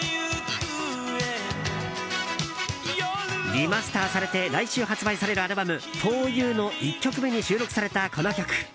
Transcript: リマスターされて来週発売されるアルバム「ＦＯＲＹＯＵ」の１曲目に収録された、この曲。